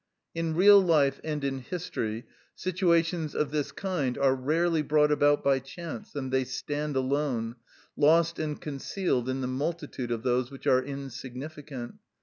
In real life, and in history, situations of this kind are rarely brought about by chance, and they stand alone, lost and concealed in the multitude of those which are insignificant.